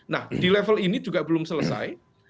nah di level ini juga belum selesai